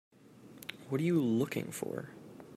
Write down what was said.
What are you looking for?